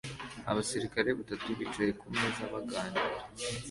Abasirikare batatu bicaye kumeza baganira